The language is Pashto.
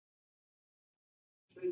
تله کې پاڼې ژیړي کیږي.